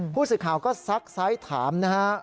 ผู้สื่อข่าวก็ซักซ้ายถามนะครับ